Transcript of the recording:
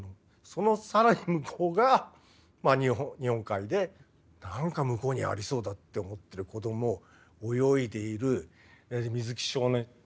その更に向こうがまあ日本海で何か向こうにありそうだって思ってる子ども泳いでいる水木少年。